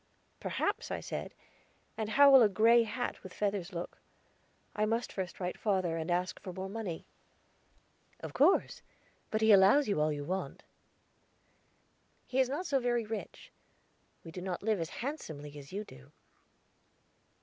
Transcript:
"Perhaps," I said. "And how will a gray hat with feathers look? I must first write father, and ask for more money." "Of course; but he allows you all you want." "He is not so very rich; we do not live as handsomely as you do."